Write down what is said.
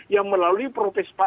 yang melalui proses panjang